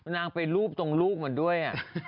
นางไปรูปตรงลูกมันด้วย